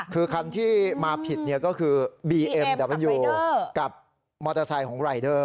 คือคันที่มาผิดก็คือบีเอ็มแต่มันอยู่กับมอเตอร์ไซค์ของรายเดอร์